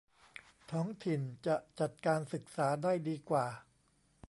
ท้องถิ่นจะจัดการศึกษาได้ดีกว่า